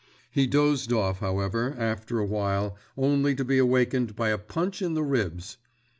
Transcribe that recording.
He dozed off, however, after a while, only to be awakened by a punch in the ribs.